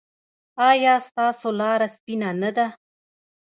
ایا ستاسو لاره سپینه نه ده؟